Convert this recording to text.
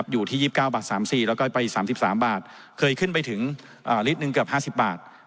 อยู่ที่๒๙บาท๓๔แล้วก็ไป๓๓บาทเคยขึ้นไปถึงลิตรหนึ่งเกือบ๕๐บาท